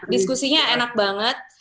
diskusinya enak banget